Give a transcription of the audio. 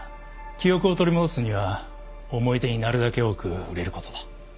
記憶を取り戻すには思い出になるだけ多く触れることだ。